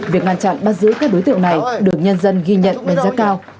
việc ngăn chặn bắt giữ các đối tượng này được nhân dân ghi nhận đánh giá cao